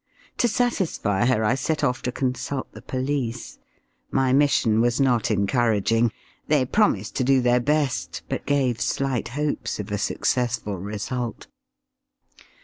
To satisfy her I set off to consult the police. My mission was not encouraging. They promised to do their best, but gave slight hopes of a successful result.